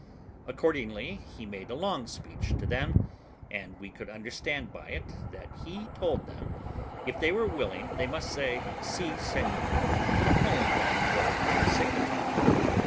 Accordingly he made a long speech to them, and we could understand by it that he told them, if they were willing, they must say, "Si, Seignior," telling them what it signified.